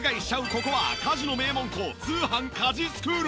ここは家事の名門校通販☆家事スクール！